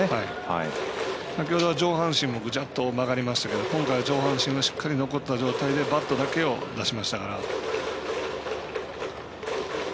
先ほどは上半身がぐちゃっと曲がりましたけどしっかり残った状態でバットだけを出しましたから。